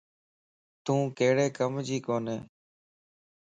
تون ڪھڙي ڪم جي ڪوني.